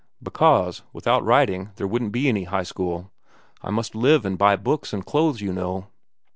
"Because, without writing there wouldn't be any high school. I must live and buy books and clothes, you know."